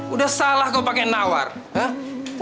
udah salah kau pakai nawar ha